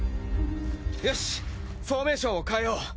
よしフォーメーションを変えよう。